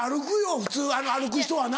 普通は歩く人はな。